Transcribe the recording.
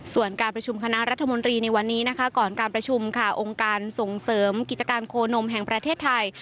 ส่วนการประชุมคณะรัฐมนตรีในวันนี้นะคะก่อนการประชุมค่ะองค์การส่งเสริมกิจการโคนมแห่งประเทศไทย